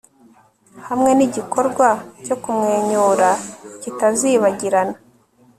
hamwe nigikorwa cyo kumwenyura kitazibagirana